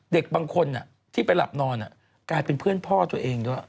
เด็กบางคนที่ไปหลับนอนกลายเป็นเพื่อนพ่อตัวเองด้วย